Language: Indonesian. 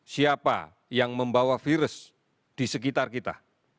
siapa yang membawa virus di sekitar kita